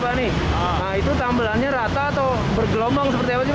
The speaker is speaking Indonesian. pak nih itu tambelannya rata atau bergelombang